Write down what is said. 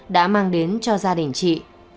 đã mang đến cho gia đình chị